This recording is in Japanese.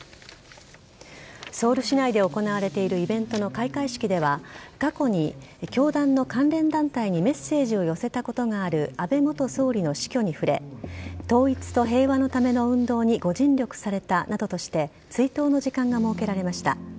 ソウル市内で行われているイベントの開会式では過去に教団の関連団体にメッセージを寄せたことがある安倍元総理の死去に触れ統一と平和のための運動にご尽力されたなどとして追悼の時間が設けられました。